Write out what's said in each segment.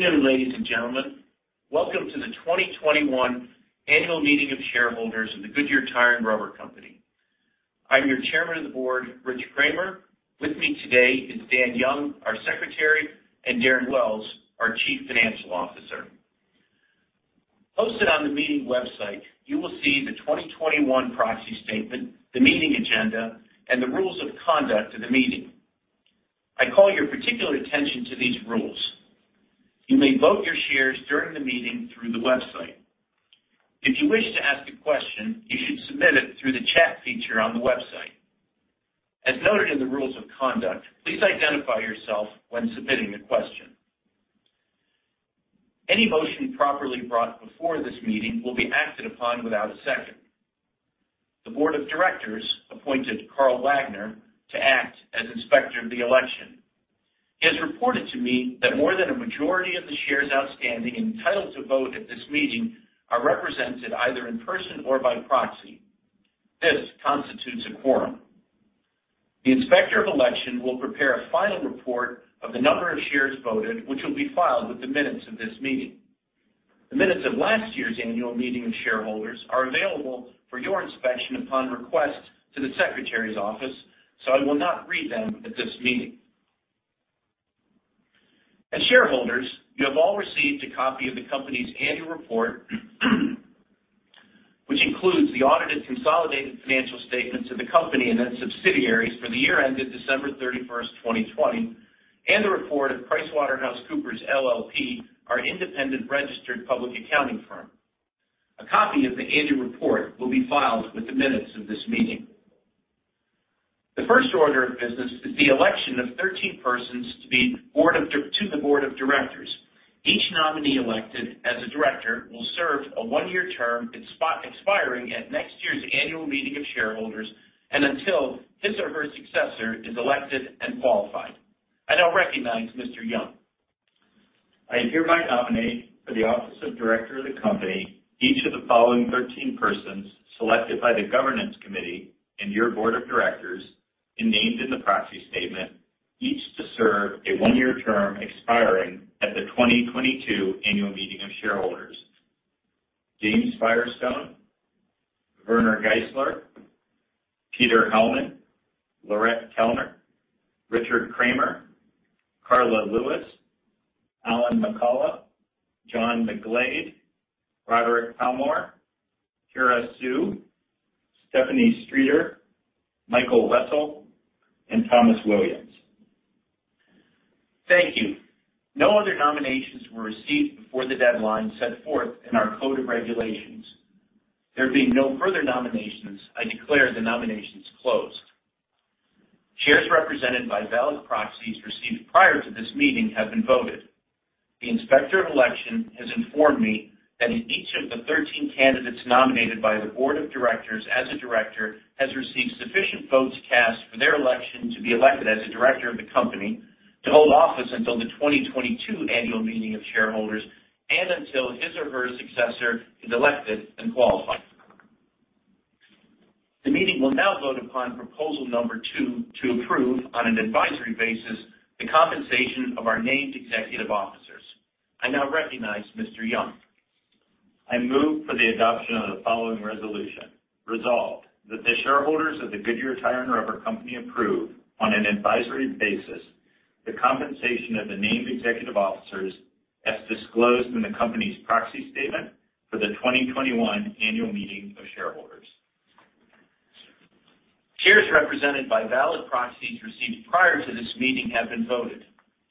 Good afternoon, ladies and gentlemen. Welcome to the 2021 Annual Meeting of Shareholders of The Goodyear Tire & Rubber Company. I'm your Chairman of the Board, Richard Kramer. With me today is Dan Young, our Secretary, and Darren Wells, our Chief Financial Officer. Posted on the meeting website, you will see the 2021 proxy statement, the meeting agenda, and the rules of conduct of the meeting. I call your particular attention to these rules. You may vote your shares during the meeting through the website. If you wish to ask a question, you should submit it through the chat feature on the website. As noted in the rules of conduct, please identify yourself when submitting a question. Any motion properly brought before this meeting will be acted upon without a second. The Board of Directors appointed Carl Wagner to act as inspector of the election. He has reported to me that more than a majority of the shares outstanding and entitled to vote at this meeting are represented either in person or by proxy. This constitutes a quorum. The Inspector of Election will prepare a final report of the number of shares voted, which will be filed with the minutes of this meeting. The minutes of last year's Annual Meeting of Shareholders are available for your inspection upon request to the Secretary's Office, so I will not read them at this meeting. As shareholders, you have all received a copy of the company's annual report, which includes the audited consolidated financial statements of the company and its subsidiaries for the year ended December 31st, 2020, and the report of PricewaterhouseCoopers LLP, our independent registered public accounting firm. A copy of the annual report will be filed with the minutes of this meeting. The first order of business is the election of 13 persons to the Board of Directors. Each nominee elected as a director will serve a one-year term expiring at next year's Annual Meeting of Shareholders and until his or her successor is elected and qualified. I now recognize Mr. Young. I hereby nominate for the office of director of the company each of the following 13 persons selected by the Governance Committee and your Board of Directors and named in the proxy statement, each to serve a one-year term expiring at the 2022 Annual Meeting of Shareholders: James Firestone, Werner Geissler, Peter Hellman, Laurette Koellner, Richard Kramer, Karla Lewis, Alan McCollough, John McGlade, Roderick Palmore, Hera Siu, Stephanie Streeter, Michael Wessel, and Thomas Williams. Thank you. No other nominations were received before the deadline set forth in our code of regulations. There being no further nominations, I declare the nominations closed. Shares represented by valid proxies received prior to this meeting have been voted. The Inspector of Election has informed me that each of the 13 candidates nominated by the Board of Directors as a director has received sufficient votes cast for their election to be elected as a director of the company to hold office until the 2022 Annual Meeting of Shareholders and until his or her successor is elected and qualified. The meeting will now vote upon proposal number two to approve, on an advisory basis, the compensation of our named executive officers. I now recognize Mr. Young. I move for the adoption of the following resolution. Resolved that the shareholders of The Goodyear Tire & Rubber Company approve, on an advisory basis, the compensation of the named executive officers as disclosed in the company's proxy statement for the 2021 Annual Meeting of Shareholders. Shares represented by valid proxies received prior to this meeting have been voted.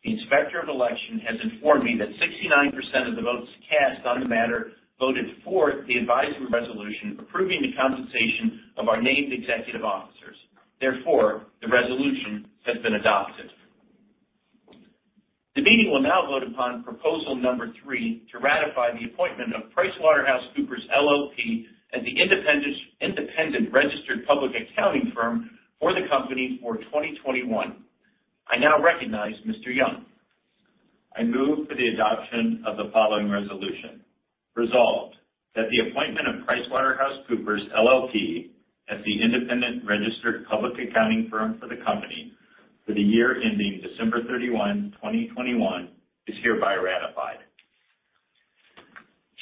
The Inspector of Election has informed me that 69% of the votes cast on the matter voted for the advisory resolution approving the compensation of our named executive officers. Therefore, the resolution has been adopted. The meeting will now vote upon proposal number three to ratify the appointment of PricewaterhouseCoopers LLP as the independent registered public accounting firm for the company for 2021. I now recognize Mr. Young. I move for the adoption of the following resolution. Resolved that the appointment of PricewaterhouseCoopers LLP as the independent registered public accounting firm for the company for the year ending December 31, 2021, is hereby ratified.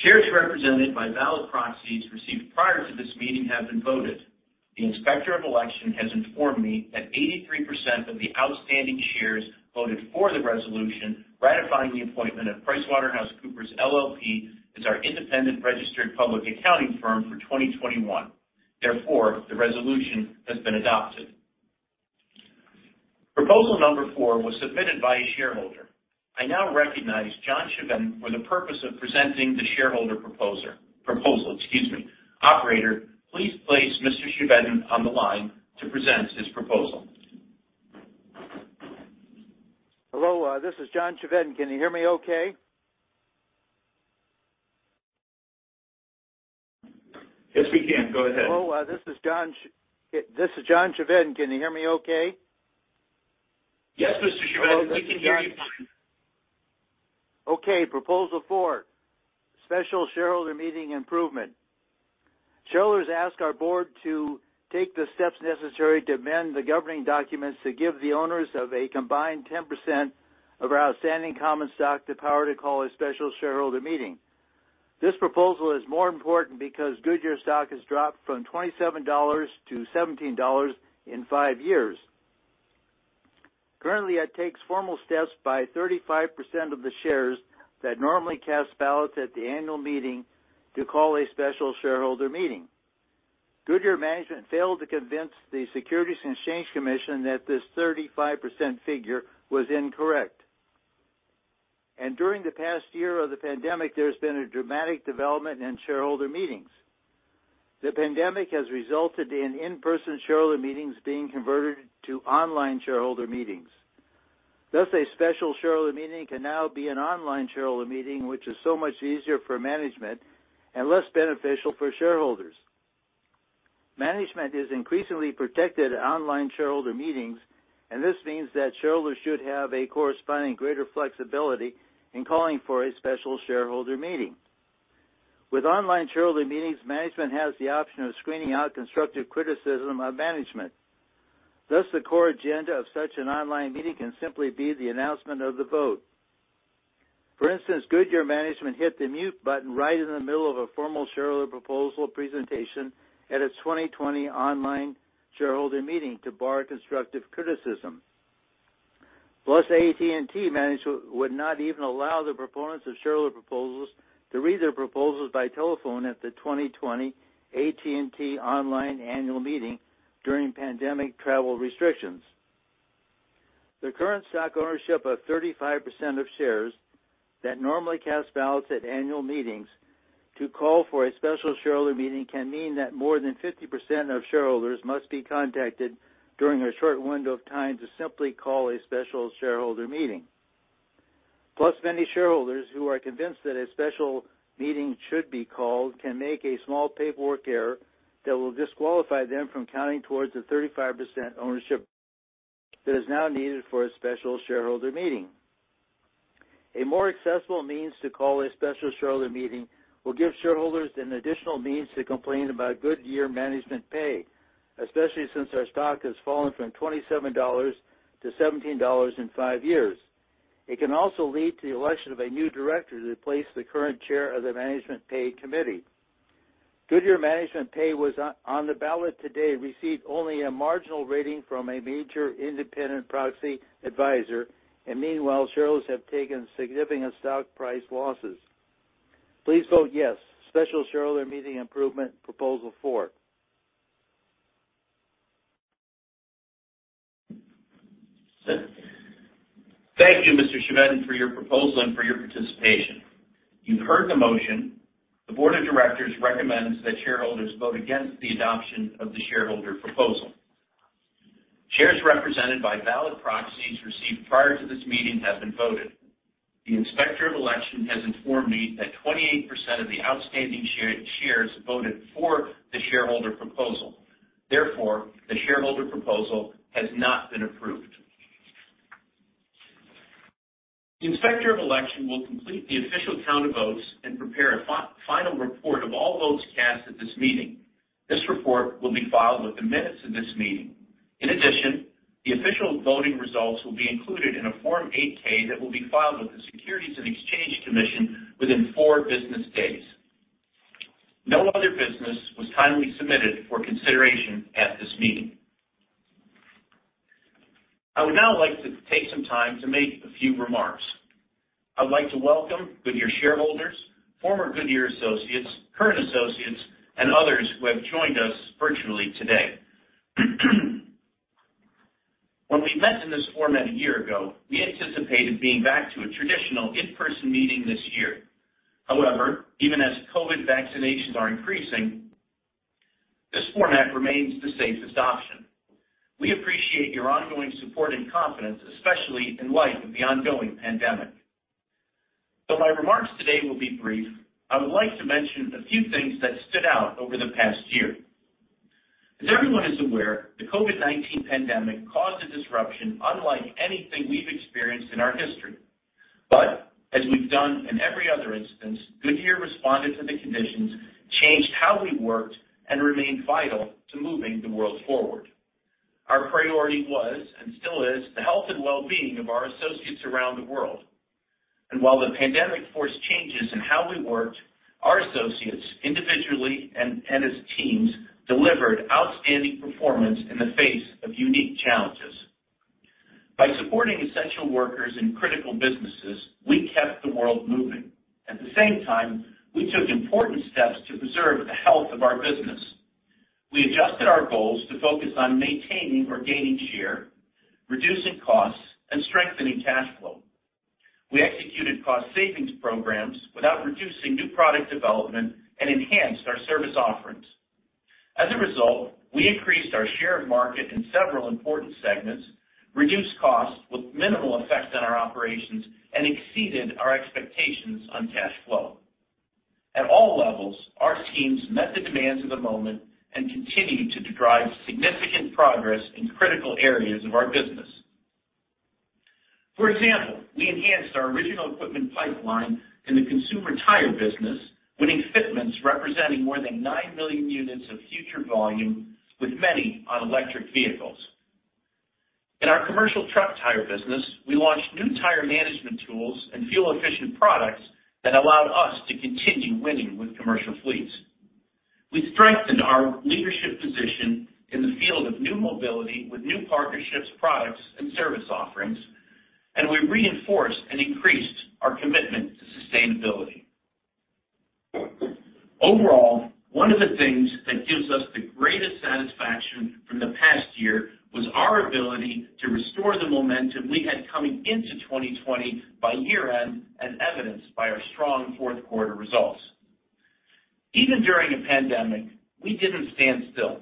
Shares represented by valid proxies received prior to this meeting have been voted. The Inspector of Election has informed me that 83% of the outstanding shares voted for the resolution ratifying the appointment of PricewaterhouseCoopers LLP as our independent registered public accounting firm for 2021. Therefore, the resolution has been adopted. Proposal number four was submitted by a shareholder. I now recognize John Chevedden for the purpose of presenting the shareholder proposal, excuse me. Operator, please place Mr. Chevedden on the line to present his proposal. Hello. This is John Chevedden. Can you hear me okay? Yes, we can. Go ahead. Hello. This is John Chevedden. Can you hear me okay? Yes, Mr. Chevedden. We can hear you fine. Okay. Proposal four, special shareholder meeting improvement. Shareholders ask our board to take the steps necessary to amend the governing documents to give the owners of a combined 10% of our outstanding common stock the power to call a special shareholder meeting. This proposal is more important because Goodyear stock has dropped from $27 to $17 in five years. Currently, it takes formal steps by 35% of the shares that normally cast ballots at the annual meeting to call a special shareholder meeting. Goodyear management failed to convince the Securities and Exchange Commission that this 35% figure was incorrect. And during the past year of the pandemic, there has been a dramatic development in shareholder meetings. The pandemic has resulted in in-person shareholder meetings being converted to online shareholder meetings. Thus, a special shareholder meeting can now be an online shareholder meeting, which is so much easier for management and less beneficial for shareholders. Management is increasingly protected at online shareholder meetings, and this means that shareholders should have a corresponding greater flexibility in calling for a special shareholder meeting. With online shareholder meetings, management has the option of screening out constructive criticism of management. Thus, the core agenda of such an online meeting can simply be the announcement of the vote. For instance, Goodyear management hit the mute button right in the middle of a formal shareholder proposal presentation at a 2020 online shareholder meeting to bar constructive criticism. Plus, AT&T management would not even allow the proponents of shareholder proposals to read their proposals by telephone at the 2020 AT&T online annual meeting during pandemic travel restrictions. The current stock ownership of 35% of shares that normally cast ballots at annual meetings to call for a special shareholder meeting can mean that more than 50% of shareholders must be contacted during a short window of time to simply call a special shareholder meeting. Plus, many shareholders who are convinced that a special meeting should be called can make a small paperwork error that will disqualify them from counting towards the 35% ownership that is now needed for a special shareholder meeting. A more accessible means to call a special shareholder meeting will give shareholders an additional means to complain about Goodyear management pay, especially since our stock has fallen from $27 to $17 in five years. It can also lead to the election of a new director to replace the current chair of the management pay committee. Goodyear management pay was on the ballot today and received only a marginal rating from a major independent proxy advisor, and meanwhile, shareholders have taken significant stock price losses. Please vote yes, special shareholder meeting improvement, proposal four. Thank you, Mr. Chevedden, for your proposal and for your participation. You've heard the motion. The Board of Directors recommends that shareholders vote against the adoption of the shareholder proposal. Shares represented by valid proxies received prior to this meeting have been voted. The Inspector of Election has informed me that 28% of the outstanding shares voted for the shareholder proposal. Therefore, the shareholder proposal has not been approved. The Inspector of Election will complete the official count of votes and prepare a final report of all votes cast at this meeting. This report will be filed with the minutes of this meeting. In addition, the official voting results will be included in a Form 8-K that will be filed with the Securities and Exchange Commission within four business days. No other business was duly submitted for consideration at this meeting. I would now like to take some time to make a few remarks. I would like to welcome Goodyear shareholders, former Goodyear associates, current associates, and others who have joined us virtually today. When we met in this format a year ago, we anticipated being back to a traditional in-person meeting this year. However, even as COVID vaccinations are increasing, this format remains the safest option. We appreciate your ongoing support and confidence, especially in light of the ongoing pandemic. Though my remarks today will be brief, I would like to mention a few things that stood out over the past year. As everyone is aware, the COVID-19 pandemic caused a disruption unlike anything we've experienced in our history, but as we've done in every other instance, Goodyear responded to the conditions, changed how we worked, and remained vital to moving the world forward. Our priority was, and still is, the health and well-being of our associates around the world. And while the pandemic forced changes in how we worked, our associates, individually and as teams, delivered outstanding performance in the face of unique challenges. By supporting essential workers in critical businesses, we kept the world moving. At the same time, we took important steps to preserve the health of our business. We adjusted our goals to focus on maintaining or gaining share, reducing costs, and strengthening cash flow. We executed cost savings programs without reducing new product development and enhanced our service offerings. As a result, we increased our share of market in several important segments, reduced costs with minimal effect on our operations, and exceeded our expectations on cash flow. At all levels, our teams met the demands of the moment and continued to drive significant progress in critical areas of our business. For example, we enhanced our original equipment pipeline in the consumer tire business, winning fitments representing more than 9 million units of future volume, with many on electric vehicles. In our commercial truck tire business, we launched new tire management tools and fuel-efficient products that allowed us to continue winning with commercial fleets. We strengthened our leadership position in the field of new mobility with new partnerships, products, and service offerings, and we reinforced and increased our commitment to sustainability. Overall, one of the things that gives us the greatest satisfaction from the past year was our ability to restore the momentum we had coming into 2020 by year-end, as evidenced by our strong fourth quarter results. Even during a pandemic, we didn't stand still.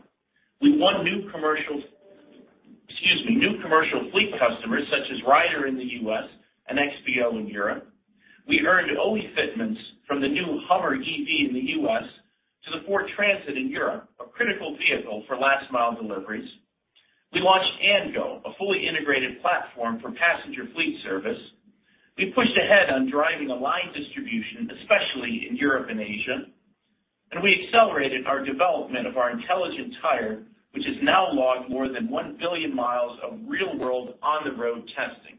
We won new commercial fleet customers such as Ryder in the U.S. and XPO in Europe. We earned OE fitments from the new Hummer EV in the U.S. to the Ford Transit in Europe, a critical vehicle for last-mile deliveries. We launched AndGo, a fully integrated platform for passenger fleet service. We pushed ahead on driving aligned distribution, especially in Europe and Asia. And we accelerated our development of our intelligent tire, which has now logged more than 1 billion miles of real-world on-the-road testing.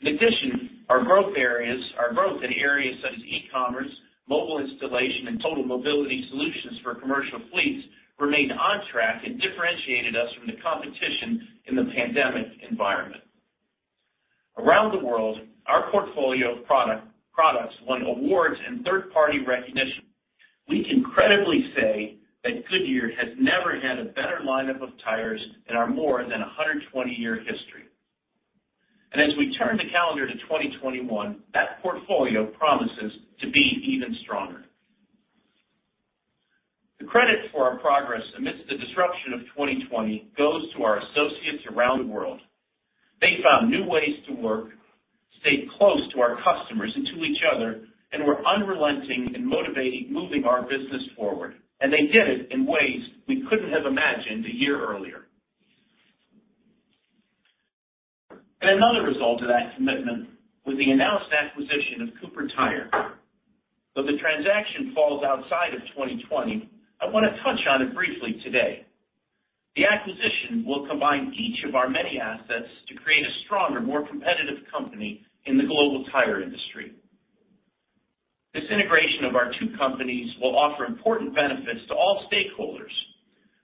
In addition, our growth areas, our growth in areas such as e-commerce, mobile installation, and total mobility solutions for commercial fleets remained on track and differentiated us from the competition in the pandemic environment. Around the world, our portfolio of products won awards and third-party recognition. We can credibly say that Goodyear has never had a better lineup of tires in our more than 120-year history. And as we turn the calendar to 2021, that portfolio promises to be even stronger. The credit for our progress amidst the disruption of 2020 goes to our associates around the world. They found new ways to work, stayed close to our customers and to each other, and were unrelenting in moving our business forward. And they did it in ways we couldn't have imagined a year earlier. And another result of that commitment was the announced acquisition of Cooper Tire. Though the transaction falls outside of 2020, I want to touch on it briefly today. The acquisition will combine each of our many assets to create a stronger, more competitive company in the global tire industry. This integration of our two companies will offer important benefits to all stakeholders.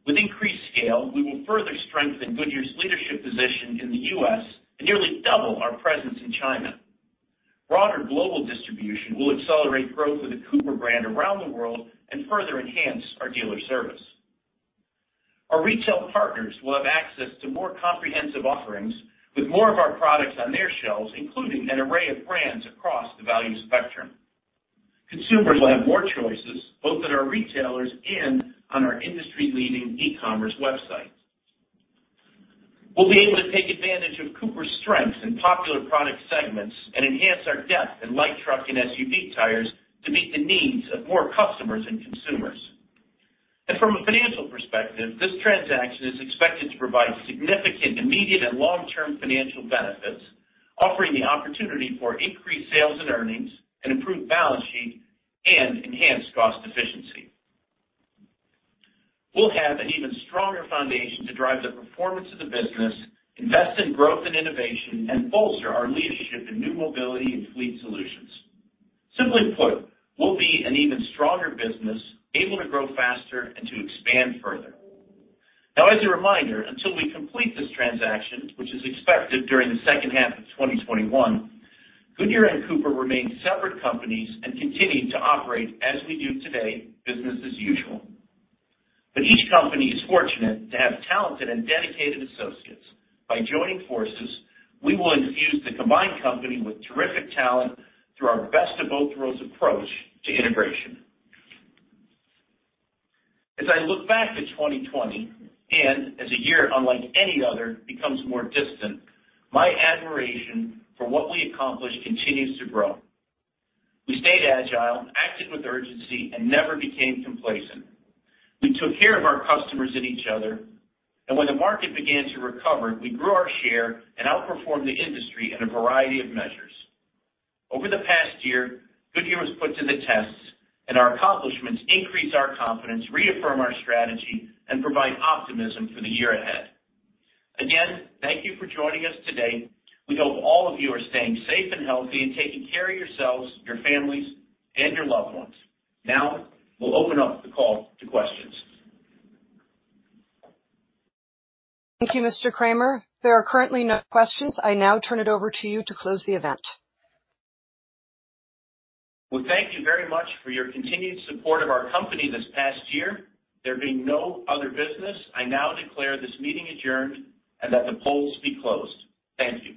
With increased scale, we will further strengthen Goodyear's leadership position in the U.S. and nearly double our presence in China. Broader global distribution will accelerate growth of the Cooper brand around the world and further enhance our dealer service. Our retail partners will have access to more comprehensive offerings with more of our products on their shelves, including an array of brands across the value spectrum. Consumers will have more choices, both at our retailers and on our industry-leading e-commerce websites. We'll be able to take advantage of Cooper's strengths in popular product segments and enhance our depth in light truck and SUV tires to meet the needs of more customers and consumers. And from a financial perspective, this transaction is expected to provide significant immediate and long-term financial benefits, offering the opportunity for increased sales and earnings, an improved balance sheet, and enhanced cost efficiency. We'll have an even stronger foundation to drive the performance of the business, invest in growth and innovation, and bolster our leadership in new mobility and fleet solutions. Simply put, we'll be an even stronger business, able to grow faster and to expand further. Now, as a reminder, until we complete this transaction, which is expected during the second half of 2021, Goodyear and Cooper remain separate companies and continue to operate as we do today, business as usual. But each company is fortunate to have talented and dedicated associates. By joining forces, we will infuse the combined company with terrific talent through our best-of-both-worlds approach to integration. As I look back at 2020 and as a year unlike any other becomes more distant, my admiration for what we accomplished continues to grow. We stayed agile, acted with urgency, and never became complacent. We took care of our customers and each other, and when the market began to recover, we grew our share and outperformed the industry in a variety of measures. Over the past year, Goodyear was put to the test, and our accomplishments increased our confidence, reaffirmed our strategy, and provided optimism for the year ahead. Again, thank you for joining us today. We hope all of you are staying safe and healthy and taking care of yourselves, your families, and your loved ones. Now, we'll open up the call to questions. Thank you, Mr. Kramer. There are currently no questions. I now turn it over to you to close the event. Thank you very much for your continued support of our company this past year. There being no other business, I now declare this meeting adjourned and that the polls be closed. Thank you.